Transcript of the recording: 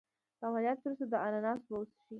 د عملیات وروسته د اناناس اوبه وڅښئ